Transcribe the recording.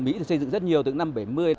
mỹ được xây dựng rất nhiều từ năm bảy mươi